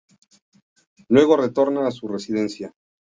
Luego retorna a su residencia.